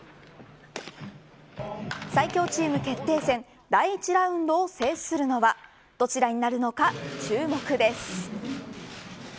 最強チーム決定戦第１ラウンドを制するのはどちらになるのか注目です。